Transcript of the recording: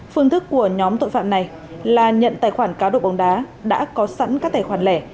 phương thức của nhóm tội phạm này là nhận tài khoản cá độ bóng đá đã có sẵn các tài khoản lẻ